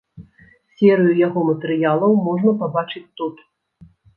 Серыю яго матэрыялаў можна пабачыць тут.